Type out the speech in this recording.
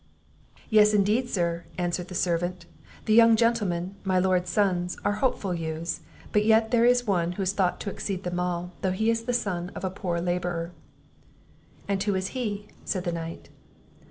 "Yes indeed, Sir," answered the servant; "the young gentlemen, my Lord's sons, are hopeful youths; but yet there is one who is thought to exceed them all, though he is the son of a poor labourer." "And who is he?" said the knight.